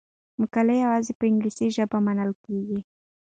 مقالې یوازې په انګلیسي ژبه منل کیږي.